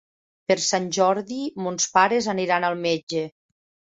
Per Sant Jordi mons pares aniran al metge.